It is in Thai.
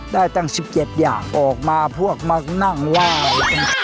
ได้ตั้ง๑๗อย่างออกมาพวกมานั่งว่าย